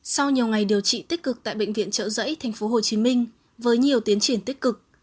sau nhiều ngày điều trị tích cực tại bệnh viện trợ giấy tp hcm với nhiều tiến triển tích cực